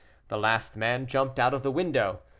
The last man jumped out of the window.